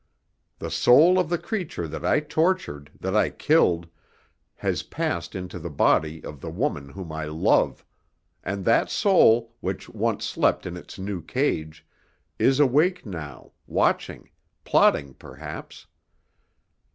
The soul of the creature that I tortured, that I killed, has passed into the body of the woman whom I love; and that soul, which once slept in its new cage, is awake now, watching, plotting perhaps.